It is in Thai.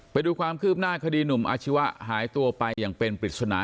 ไปดูความคืบหน้าคดีหนุ่มอาชีวะหายตัวไปอย่างเป็นปริศนา